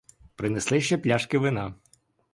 Принесли ще пляшки вина.